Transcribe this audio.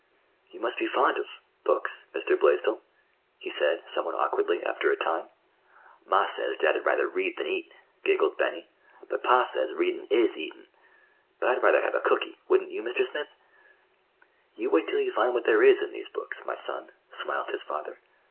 "You must be fond of—books, Mr. Blaisdell," he said somewhat awkwardly, after a time. "Ma says dad'd rather read than eat," giggled Benny; "but pa says readin' is eatin'. But I'd rather have a cookie, wouldn't you, Mr. Smith?" "You wait till you find what there is in these books, my son," smiled his father.